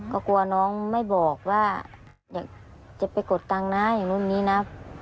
ก็กลัวน้องไม่บอกว่าอยากจะไปกดตังค์นะอย่างนู้นนี้นะ